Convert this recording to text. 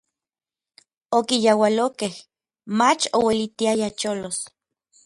Okiyaualokej, mach ouelitiaya cholos.